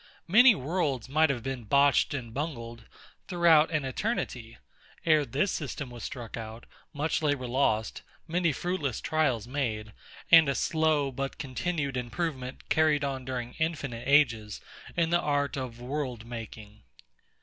Many worlds might have been botched and bungled, throughout an eternity, ere this system was struck out; much labour lost, many fruitless trials made; and a slow, but continued improvement carried on during infinite ages in the art of world making.